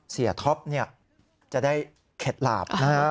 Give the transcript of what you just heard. ท็อปจะได้เข็ดหลาบนะฮะ